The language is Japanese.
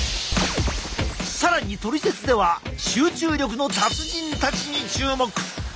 更にトリセツでは集中力の達人たちに注目！